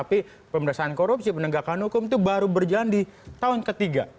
jadi pemerintahan korupsi penegakan hukum itu baru berjalan di tahun ketiga